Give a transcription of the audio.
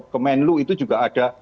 ke menlu itu juga ada